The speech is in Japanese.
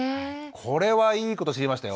これはいいこと知りましたよ。